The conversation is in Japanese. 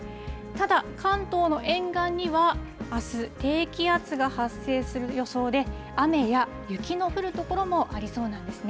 ただ、関東の沿岸にはあす、低気圧が発生する予想で、雨や雪の降る所もありそうなんですね。